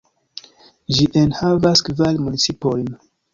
Ĝi enhavas kvar municipojn.